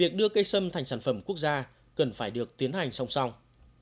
cây sâm thành sản phẩm quốc gia cần phải được tiến hành song song